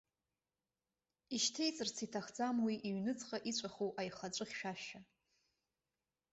Ишьҭеиҵарц иҭахӡам уи иҩныҵҟа иҵәаху аихаҵәы хьшәашәа.